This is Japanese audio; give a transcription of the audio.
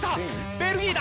ベルギーだ。